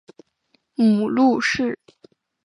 母陆氏。